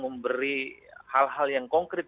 memberi hal hal yang konkret